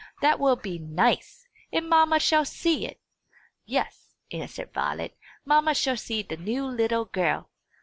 "That will be nice! And mamma shall see it!" "Yes," answered Violet; "mamma shall see the new little girl.